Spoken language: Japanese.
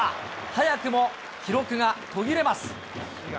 早くも記録が途切れます。